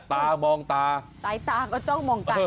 ตามองตาสายตาก็จ้องมองตา